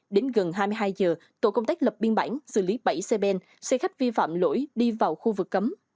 đến gần hai mươi hai giờ tổ công tác lập biên bản xử lý bảy xe ben xe khách vi phạm lỗi đi vào khu vực cấm